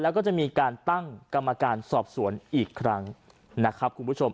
แล้วก็จะมีการตั้งกรรมการสอบสวนอีกครั้งนะครับคุณผู้ชม